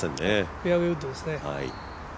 フェアウエーウッドですね。